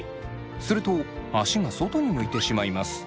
すると足が外に向いてしまいます。